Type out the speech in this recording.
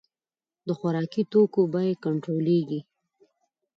د خوراکي توکو بیې کنټرولیږي